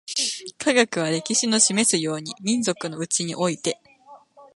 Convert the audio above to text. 科学は、歴史の示すように、民族のうちにおいて